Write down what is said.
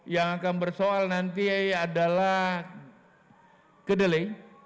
yang akan bersoal nanti adalah kedelai